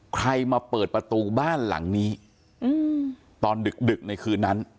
ใครมาเปิดประตูบ้านหลังนี้ตอนดึกในคืนนั้น